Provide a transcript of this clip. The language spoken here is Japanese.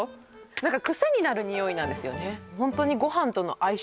何かクセになる匂いなんですよね